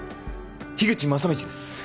樋口昌道です